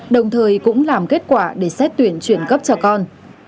đồng thời cũng làm kết quả để xét tuyển chuyển cấp cho con